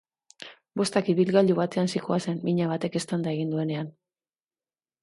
Bostak ibilgailu batean zihoazen mina batek eztanda egin duenean.